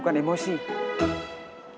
tidak boleh mendahulukan emosi